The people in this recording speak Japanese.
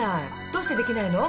どうしてできないの？